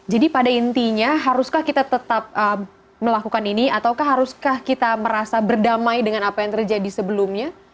jadi pada intinya haruskah kita tetap melakukan ini atau haruskah kita merasa berdamai dengan apa yang terjadi sebelumnya